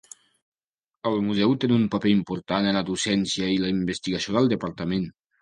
El museu té un paper important en la docència i la investigació del Departament.